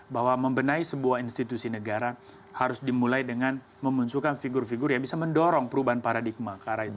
bahwa membenahi sebuah institusi negara harus dimulai dengan memunculkan figur figur yang bisa mendorong perubahan paradigma